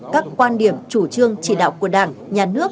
các quan điểm chủ trương chỉ đạo của đảng nhà nước